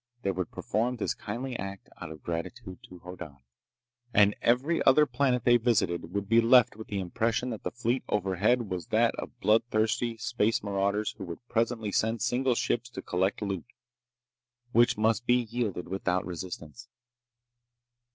They would perform this kindly act out of gratitude to Hoddan. And every planet they visited would be left with the impression that the fleet overhead was that of bloodthirsty space marauders who would presently send single ships to collect loot—which must be yielded without resistance.